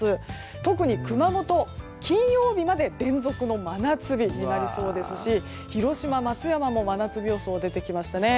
特に熊本、金曜日まで連続の真夏日になりそうですし広島、松山も真夏日予想出てきましたね。